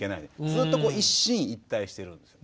ずっと一進一退してるんです。